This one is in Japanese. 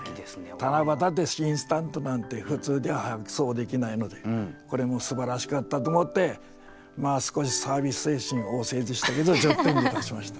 七夕でインスタントなんて普通ではそうできないのでこれもすばらしかったと思って少しサービス精神旺盛でしたけど１０点にいたしました。